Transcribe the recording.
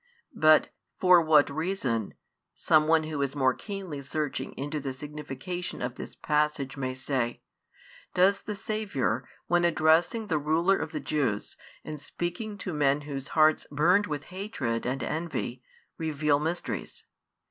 But "For what reason," some one who is more keenly searching into the signification of this passage may say, "does the Saviour, when addressing the rulers of the Jews, and speaking to men whose hearts burned with hatred and envy, reveal mysteries?